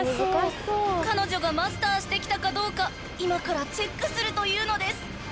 ［彼女がマスターしてきたかどうか今からチェックするというのです］